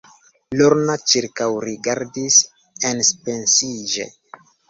Lorna ĉirkaŭrigardis enpensiĝe.